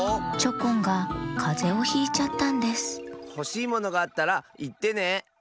チョコンがかぜをひいちゃったんですほしいものがあったらいってね。